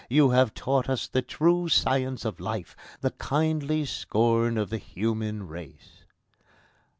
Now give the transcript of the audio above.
You have taught us the true science of life, the kindly scorn of the human race!"